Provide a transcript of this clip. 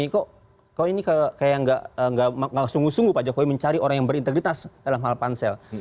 kok ini kayak nggak sungguh sungguh pak jokowi mencari orang yang berintegritas dalam hal pansel